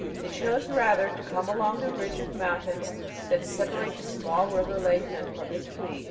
They chose rather to come along the ridge of mountains that separate the small river Leithen from the Tweed.